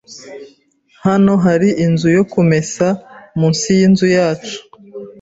Hano hari inzu yo kumesa munsi yinzu yacu.